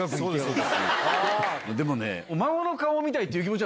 でもね。